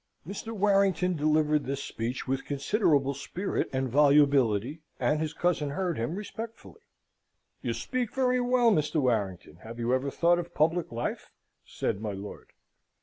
Mr. Warrington delivered this speech with considerable spirit and volubility, and his cousin heard him respectfully. "You speak well, Mr. Warrington. Have you ever thought of public life?" said my lord.